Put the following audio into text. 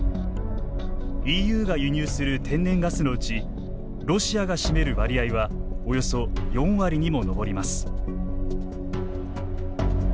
ＥＵが輸入する天然ガスのうちロシアが占める割合はおよそ４割にも上ります。